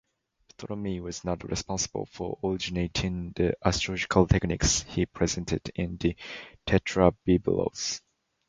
Ptolemy was not responsible for originating the astrological techniques he presented in the "Tetrabiblos".